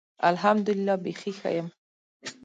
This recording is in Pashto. الحمدالله. بیخي ښۀ یم.